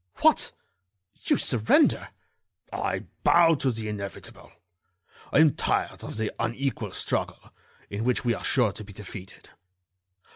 "What! you surrender——" "I bow to the inevitable. I am tired of the unequal struggle, in which we are sure to be defeated.